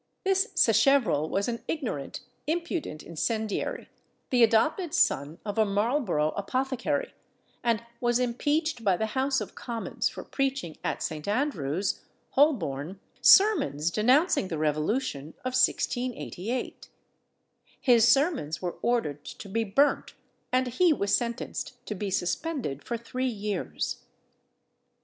This Sacheverell was an ignorant, impudent incendiary, the adopted son of a Marlborough apothecary, and was impeached by the House of Commons for preaching at St. Andrew's, Holborn, sermons denouncing the Revolution of 1688. His sermons were ordered to be burnt, and he was sentenced to be suspended for three years.